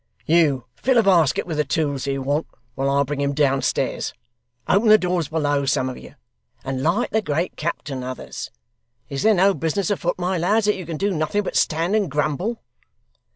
'You fill a basket with the tools he'll want, while I bring him downstairs. Open the doors below, some of you. And light the great captain, others! Is there no business afoot, my lads, that you can do nothing but stand and grumble?